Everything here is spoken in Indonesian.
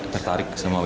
tertarik sama wo